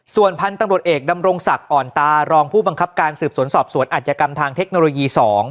ส่วนพันธุ์ตำรวจเอกดำรงศักดิ์อ่อนตารองผู้บังคับการสืบสวนสอบสวนอัธยกรรมทางเทคโนโลยี๒